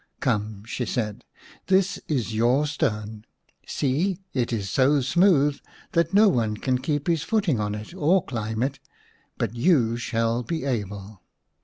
" Come/' she said, " this is your stone. See, it is so smooth that no one can keep his footing on it or climb it. But you shall be able.